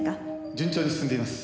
「順調に進んでいます」